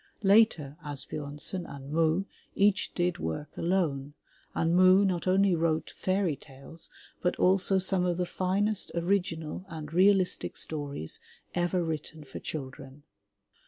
Later, Asbjomsen and Moe each did work alone, and Moe not only wrote fairy tales, but also some of the finest original and realistic stories ever written for children.